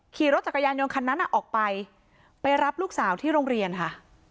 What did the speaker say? ขี่รถจักรยานยนต์คันนั้นออกไปไปรับลูกสาวที่โรงเรียนค่ะ